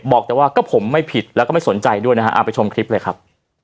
บอกแต่ว่าก็ผมไม่ผิดแล้วก็ไม่สนใจด้วยนะฮะเอาไปชมคลิปเลยครับ